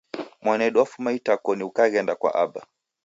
Mwanedu wafuma itakoni ukaghenda kwa aba